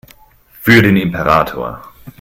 Für den Imperator!